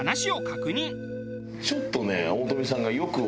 ちょっとね。